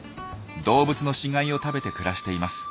動物の死骸を食べて暮らしています。